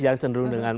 yang cenderung dengan